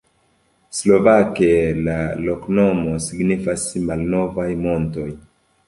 Slovake la loknomo signifas: malnovaj montoj.